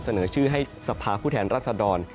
เสนอชื่อให้สภาผู้แทนรัศดร